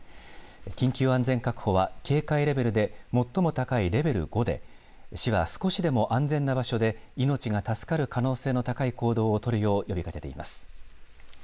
緊急安全確保は警戒レベルで最も高いレベル５で市は少しでも安全な場所で命が助かる可能性の高い行動をとるよう呼びかけています。